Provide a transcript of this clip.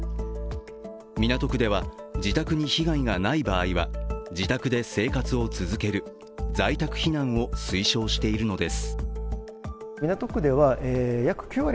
港区では、自宅に被害がない場合は自宅で生活を続ける、在宅避難を推奨しているのです。